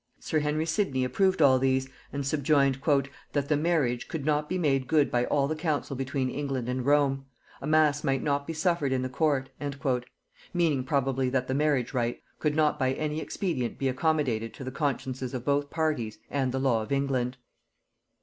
Sir Henry Sidney approved all these, and subjoined, "that the marriage could not be made good by all the counsel between England and Rome; a mass might not be suffered in the court;" meaning, probably, that the marriage rite could not by any expedient be accommodated to the consciences of both parties and the law of England.